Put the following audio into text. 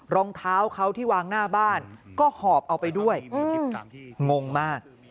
รองเท้าเขาที่วางหน้าบ้านก็หอบเอาไปด้วยงงมาก